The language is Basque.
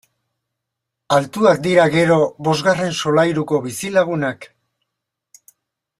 Altuak dira gero bosgarren solairuko bizilagunak!